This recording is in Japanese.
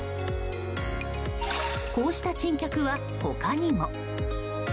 こうした珍客は、他にも。